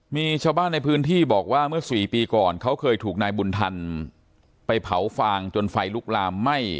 มีชาวบ้านในพื้นที่บอกว่าเมื่อ๔ปีก่อนเขาเคยถูกนายบุญธรรมไปเผาฟางจนไฟลุกลามไหม้